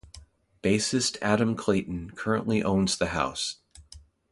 Bassist Adam Clayton currently owns the house.